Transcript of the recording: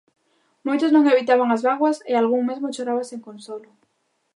Moitos non evitaban as bágoas e algún mesmo choraba sen consolo.